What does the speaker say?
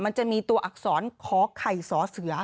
มันจะมีตัวอักษรขอไข่สอเสือ